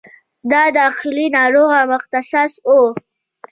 د داخله ناروغیو متخصص دی